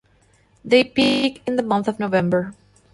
They peak in the month of November.